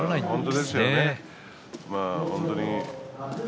本当ですね。